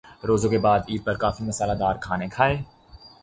روزوں کے بعد عید پر کافی مصالحہ دار کھانے کھائے۔